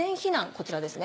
こちらですね。